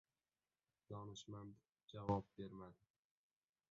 Donishmand javob bermadi